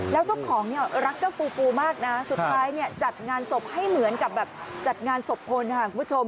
แล้วเจ้าของเนี่ยรักเจ้าปูฟูมากนะสุดท้ายเนี่ยจัดงานศพให้เหมือนกับแบบจัดงานศพคนค่ะคุณผู้ชม